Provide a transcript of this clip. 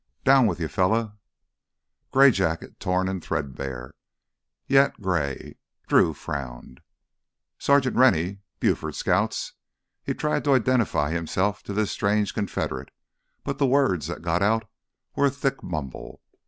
"Down with you, fella." Gray jacket, torn and threadbare—yet gray. Drew frowned. "Sergeant Rennie, Buford's Scouts...." He tried to identify himself to this strange Confederate, but the words that got out were a thick mumble.